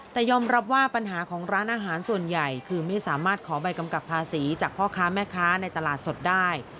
แต่ยอมรับว่าปัญหาของร้านอาหารส่วนใหญ่คือไม่สามารถขอใบกำกับภาษีจากพ่อค้าแม่ค้าในตลาดสดได้